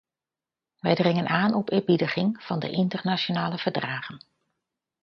Wij dringen aan op eerbiediging van de internationale verdragen.